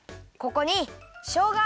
ここにしょうが。